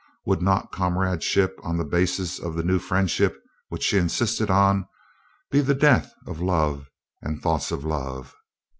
Would not comradeship on the basis of the new friendship which she insisted on, be the death of love and thoughts of love?